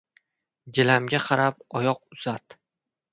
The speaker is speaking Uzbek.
• Gilamga qarab oyoq uzat.